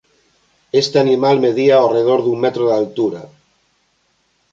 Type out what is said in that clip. Este animal medía ao redor dun metro de altura.